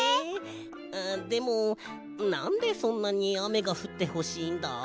ああでもなんでそんなにあめがふってほしいんだ？